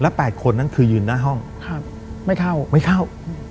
๘คนนั้นคือยืนหน้าห้องไม่เข้าไม่เข้า